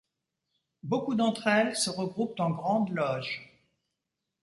Beaucoup d'entre elles se regroupent en Grandes Loges.